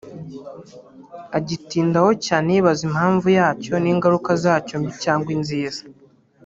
agitindaho cyane yibaza impamvu yacyo n’ingaruka zacyo mbi cyangwa nziza